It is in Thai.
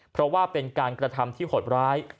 เพราะว่าเป็นการกระทำที่หดร้าย